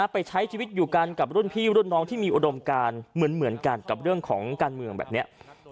ไปใช้ชีวิตอยู่กันกับรุ่นพี่รุ่นน้องที่มีอุดมการเหมือนกันกับเรื่องของการเมืองแบบนี้